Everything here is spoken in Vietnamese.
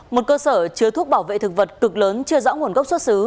một cơ sở chứa thuốc bảo vệ thực vật cực lớn chưa rõ nguồn gốc xuất xứ